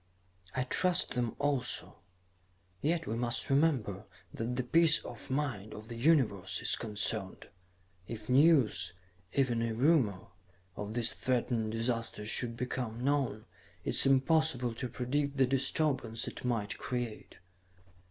"I trust them also yet we must remember that the peace of mind of the Universe is concerned. If news, even a rumor, of this threatened disaster should become known, it is impossible to predict the disturbance it might create.